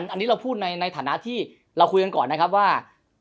อันนี้เราพูดในฐานะที่เราคุยกันก่อนนะครับว่า